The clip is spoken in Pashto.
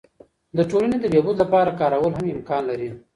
د ټولني د بهبود لپاره کارول هم امکان لري.